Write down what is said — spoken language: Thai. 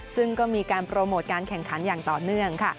ซึ่งก็มีการโปรโมทการแข่งขันอย่างต่อเนื่องค่ะ